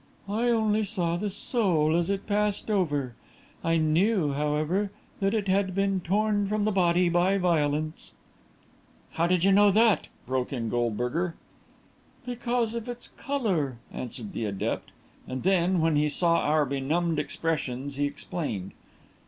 "I only saw the soul as it passed over. I knew, however, that it had been torn from the body by violence." "How did you know that?" broke in Goldberger. "Because of its colour," answered the adept; and then, when he saw our benumbed expressions, he explained.